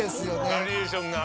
バリエーションが。